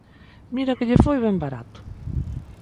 Mira que lle foi ben barato!